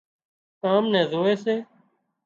ڪام نين زووي سي